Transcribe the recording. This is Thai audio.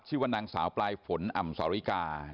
ชื่อว่านางสาวปลายฝนอ่ำสาวริกา